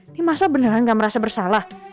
ini masa beneran gak merasa bersalah